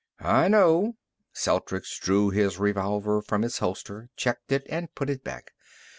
"I know." Celtrics drew his revolver from its holster, checked it and put it back.